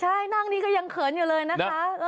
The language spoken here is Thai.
ใช่นั่งนี่ก็ยังเขินอยู่เลยนะคะ